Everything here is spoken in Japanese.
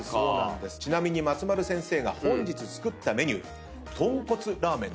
ちなみに松丸先生が本日作ったメニューとんこつラーメン。